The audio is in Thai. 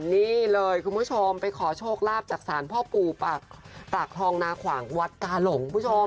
นี้เลยคุณผู้ชมไปขอโชคลาปจักษ์ภาพปูปักษณ์ราฐทองฮหวัดกาหรง